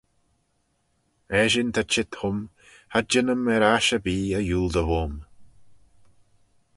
Eshyn ta çheet hym, cha jeanym er aght erbee y yiooldey voym.